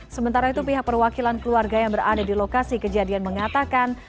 sementara itu pihak perwakilan keluarga yang berada di lokasi kejadian mengatakan